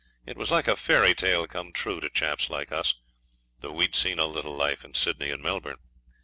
It was like a fairy tale come true to chaps like us, though we had seen a little life in Sydney and Melbourne.